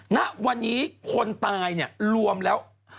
ณวันนี้คนตายเนี่ยรวมแล้ว